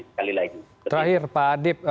sekali lagi terakhir pak adip